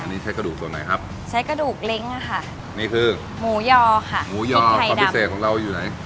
อันนี้ใช้กระดูกส่วนไหนครับใช้กระดูกเล้งอ่ะค่ะนี่คือหมูยอค่ะหมูยอความพิเศษของเราอยู่ไหน